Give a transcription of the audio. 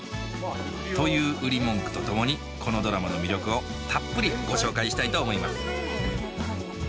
という売り文句とともにこのドラマの魅力をたっぷりご紹介したいと思います